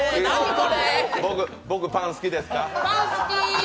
僕、パン好きですか？